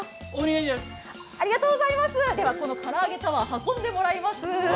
この唐揚げタワー、運んでもらいます。